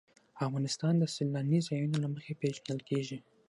افغانستان د سیلانی ځایونه له مخې پېژندل کېږي.